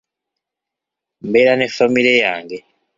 Mbeera ne famire yange.